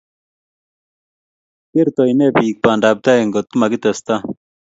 Kertoi ne bik bandaptai ngotkomakitesta